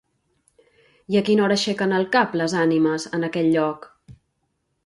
I a quina hora aixequen el cap les ànimes en aquell lloc?